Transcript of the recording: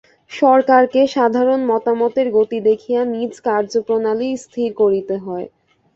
সরকারকে সাধারণের মতামতের গতি দেখিয়া নিজ কার্যপ্রণালী স্থির করিতে হয়।